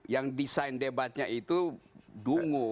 yang desain debatnya itu dungu